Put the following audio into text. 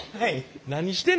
何してんの？